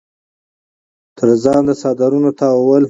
تر ځان د څادرنو تاوول